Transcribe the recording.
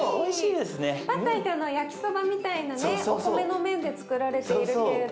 パッタイって焼きそばみたいなねお米の麺でつくられているけれど。